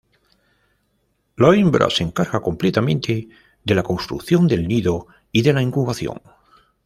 La hembra se encarga completamente de la construcción del nido y de la incubación.